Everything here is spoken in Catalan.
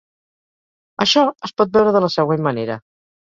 Això es pot veure de la següent manera.